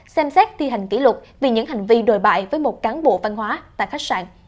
xem xét thi hành kỷ luật vì những hành vi đồi bại với một cán bộ văn hóa tại khách sạn